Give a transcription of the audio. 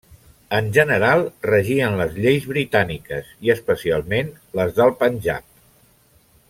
En general regien les lleis britàniques i especialment les del Panjab.